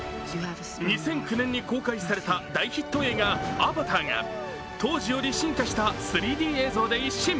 ２００９年に公開された大ヒット映画「アバター」が当時より進化した３Ｄ映像で一新。